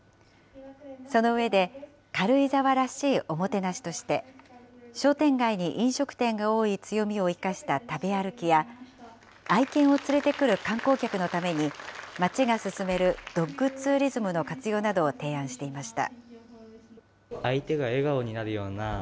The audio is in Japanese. その上で、軽井沢らしいおもてなしとして、商店街に飲食店が多い強みを生かした食べ歩きや、愛犬を連れてくる観光客のために、町が進めるドッグツーリズムの活用などを提案していました。